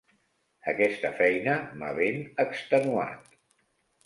Aquesta feina m'ha ben extenuat.